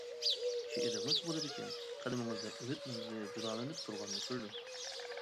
شېئىرىڭىز بولىدىكەن، قەلىمىڭىزدە ئۈمىد نۇرلىرى جۇلالىنىپ تۇرغاننى كۆردۈم.